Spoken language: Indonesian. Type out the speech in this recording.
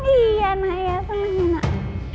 iya nak ya seneng ya nak